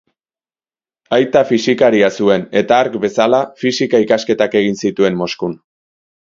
Aita fisikaria zuen eta, hark bezala, fisika-ikasketak egin zituen Moskun.